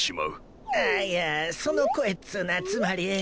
あいやその声っつのはつまり。